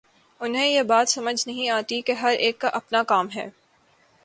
انہیں یہ بات سمجھ نہیں آتی کہ ہر ایک کا اپنا کام ہے۔